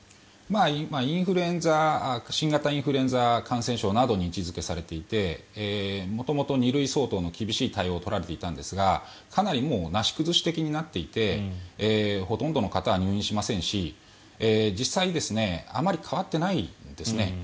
今新型インフルエンザ感染症などに位置付けされていて元々、２類相当の厳しい対応を取られていたんですがかなりもうなし崩し的になっていてほとんどの方は入院しませんし実際、ほとんど変わっていませんね。